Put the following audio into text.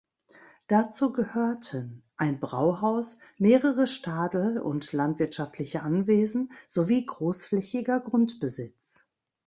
Dazu gehörten ein Brauhaus, mehrere Stadel und landwirtschaftliche Anwesen, sowie großflächiger Grundbesitz.